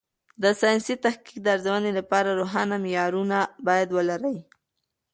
د ساینسي تحقیق د ارزونې لپاره روښانه معیارونه باید ولري.